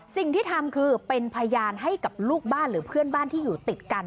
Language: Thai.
สิ่งที่ทำคือเป็นพยานให้กับลูกบ้านหรือเพื่อนบ้านที่อยู่ติดกัน